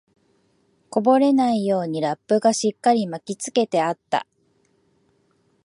こぼれないようにラップがしっかり巻きつけてあった